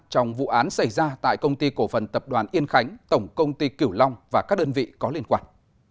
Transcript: trong vụ án xảy ra tại công ty cổ phần tập đoàn yên khánh tổng công ty kiểu long và các đơn vị có liên quan